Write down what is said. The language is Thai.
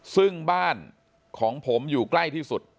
ซึ่งบ้านของผมอยู่ใกล้ที่สุด